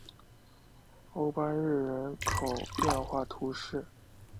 欧班日人口变化图示